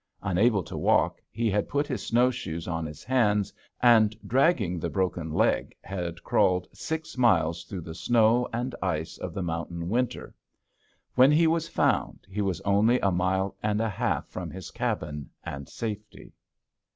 Unable to walk, he had put his snowshoes on his hands and, dragging the broken leg, had crawled six miles through the snow and ice of the mountain winter. When he was found, he was only a mile and a half from his cabin and safety.